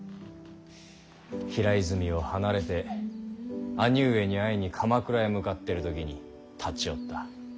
平泉を離れて兄上に会いに鎌倉へ向かってる時に立ち寄った。